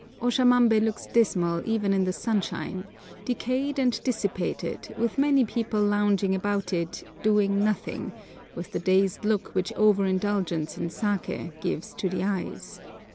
Oshamambé looks dismal even in the sunshine, decayed and dissipated, with many people lounging about in it doing nothing, with the dazed look which over indulgence in saké gives to the eyes.